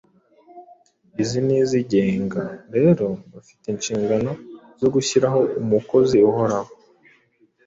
n’iz’igenga rero bafite inshingano zo gushyiraho umukozi uhoraho